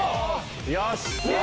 よし！